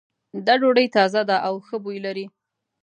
دا ډوډۍ تازه ده او ښه بوی لری